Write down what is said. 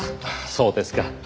そうですか。